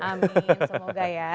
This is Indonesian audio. amin semoga ya